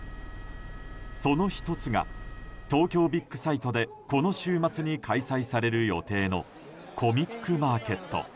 その１つが、東京ビッグサイトでこの週末に開催される予定のコミックマーケット